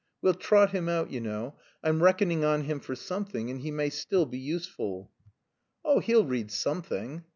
We'll trot him out, you know; I'm reckoning on him for something, and he may still be useful." "Oh, he'll read something."